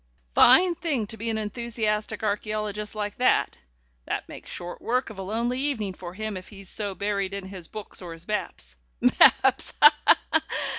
Fine thing to be an enthusiastic archæologist like that. That makes short work of a lonely evening for him if he's so buried in his books or his maps Mapps, ha! ha!